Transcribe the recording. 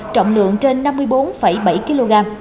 trọng lượng trên năm mươi bốn bảy kg